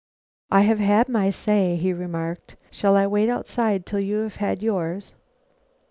"I have had my say," he remarked. "Shall I wait outside till you have had yours?"